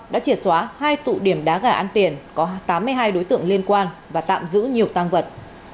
đã triệt xóa hai tụ điểm đá gà ăn tiền có tám mươi hai đối tượng liên quan và tạm giữ nhiều tăng vật